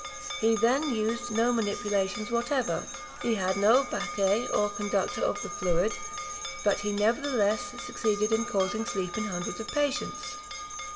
He used no manipulations whatever had no baquet, or conductor of the fluid; but he nevertheless succeeded in causing sleep in hundreds of patients.